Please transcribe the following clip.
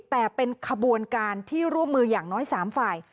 แต่เป็นขบวนการที่ร่วมมืออย่างน้อย๓ฝ่าย